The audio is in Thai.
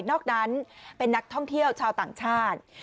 นอกนั้นเป็นนักท่องเที่ยวชาวต่างชาติ